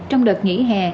trong đợt nghỉ hè